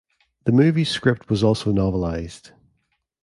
The movie's script was also novelized.